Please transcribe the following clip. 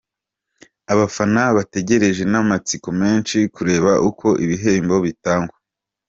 Abafana bategereje n’amatsiko menshi kureba uko ibihembo bitangwa .